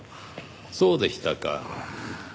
そうでしたか。